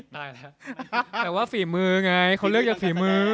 แต่ว่าฝีมือไงเค้าเลือกอย่างฝีมือ